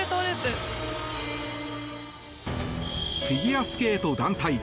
フィギュアスケート団体。